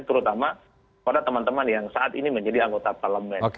terutama pada teman teman yang saat ini menjadi anggota parlemen